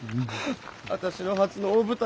私の初の大舞台なのに。